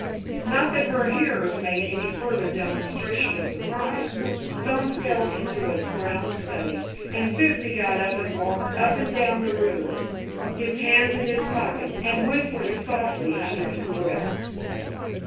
Not that her hearers made any further demonstration of surprise. Stone fell into a brown study, and Fibsy got up and walked up and down the room, his hands in his pockets, and whistling softly under his breath.